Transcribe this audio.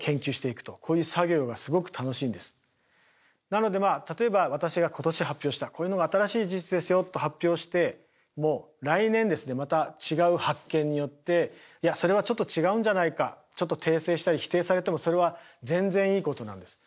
なのでまあ例えば私が今年発表したこういうのが新しい事実ですよと発表しても来年ですねまた違う発見によっていやそれはちょっと違うんじゃないかちょっと訂正したり否定されてもそれは全然いいことなんです。